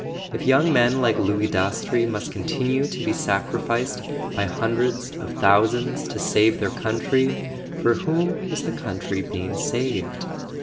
If young men like Louis Dastrey must continue to be sacrificed by hun¬ dreds of thousands to save their country, for whom was the country being saved?